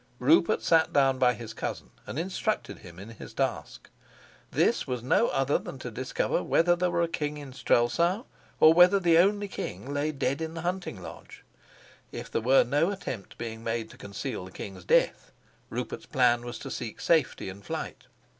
Rupert sat down by his cousin and instructed him in his task. This was no other than to discover whether there were a king in Strelsau, or whether the only king lay dead in the hunting lodge. If there were no attempt being made to conceal the king's death, Rupert's plan was to seek safety in flight.